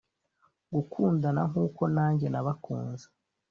gukundana nk’uko nanjye nabakunze ».